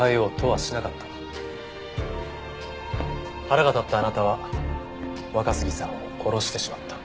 腹が立ったあなたは若杉さんを殺してしまった。